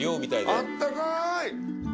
あったかい！